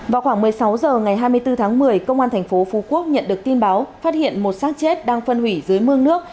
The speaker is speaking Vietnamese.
vào khoảng một mươi sáu h ngày hai mươi bốn tháng một mươi công an thành phố phú quốc nhận được tin báo phát hiện một sát chết đang phân hủy dưới mương nước